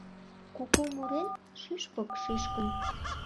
Куку мурен, шӱшпык шӱшкын